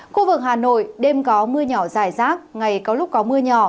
khu vực hà nội đêm có mưa nhỏ dài rác ngày có lúc có mưa nhỏ